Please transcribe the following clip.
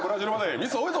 ミス多いぞ」